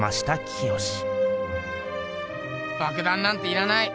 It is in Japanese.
爆弾なんていらない！